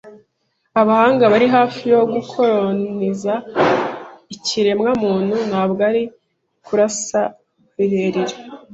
"Abahanga bari hafi yo gukoroniza ikiremwa muntu?" "Ntabwo ari kurasa rirerire"